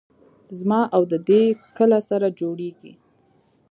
زما او د دې کله سره جوړېږي.